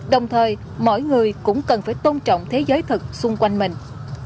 đồng thời mỗi người cũng cần phải tôn trọng thế giới thật xung quanh mình